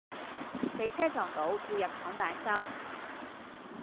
畀車撞到，要入廠大修